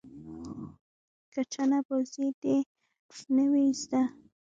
که چنه بازي دې نه وي زده.